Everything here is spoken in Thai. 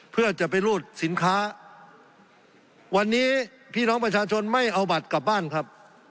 เพื่อจะไปรูดสินค้าวันนี้พี่น้องประชาชนไม่เอาบัตรกลับบ้านครับ